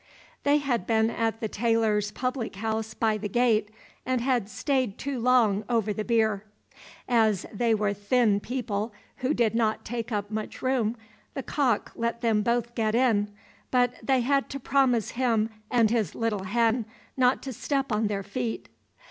They had been at the tailor's public house by the gate, and had stayed too long over the beer. As they were thin people, who did not take up much room, the cock let them both get in, but they had to promise him and his little hen not to step on their feet.